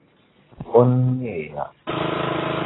O nini neeya.